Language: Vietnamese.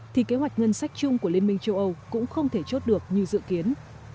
thì kế hoạch ngân sách chung của liên minh châu âu cũng không thể chốt được như dự kiến